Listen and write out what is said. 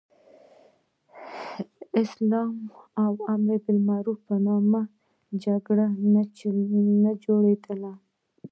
د اسلام او امر بالمعروف په نوم جګړه نه جوړېدله.